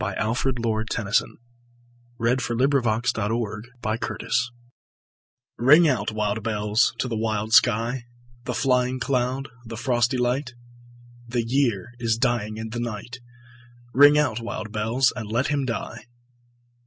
Alfred, Lord Tennyson Ring Out, Wild Bells RING out, wild bells, to the wild sky, The flying cloud, the frosty light; The year is dying in the night; Ring out, wild bells, and let him die.